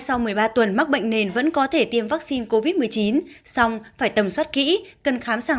sau một mươi ba tuần mắc bệnh nền vẫn có thể tiêm vaccine covid một mươi chín xong phải tầm soát kỹ cần khám sàng